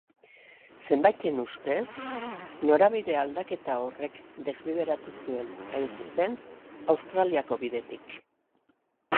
Zenbaiten ustez, norabide-aldaketa horrek desbideratu zuen, hain zuzen, Australiako bidetik.